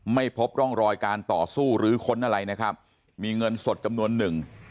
ไม่พบร่องรอยการต่อสู้หรือค้นอะไรนะครับมีเงินสดจำนวนหนึ่ง